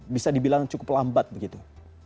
bisa dibilang cukup lambat begitu